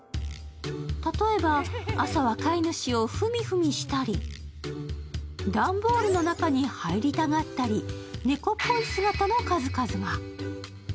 例えば、朝は飼い主をふみふみしたり段ボールの中に入りたがったり猫っぽい姿の数々が。